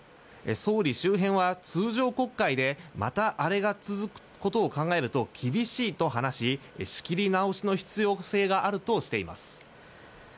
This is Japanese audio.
総理周辺は、通常国会でまたあれが続くことを考えると厳しいと話し仕切り直しの必要性があるとしています。